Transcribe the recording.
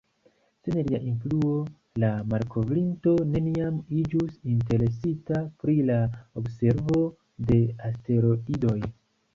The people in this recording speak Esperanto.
Sen lia influo, la malkovrinto neniam iĝus interesita pri la observo de asteroidoj.